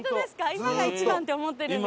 今が一番って思ってるんですけど。